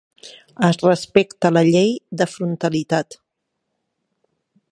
Es respecta la llei de frontalitat.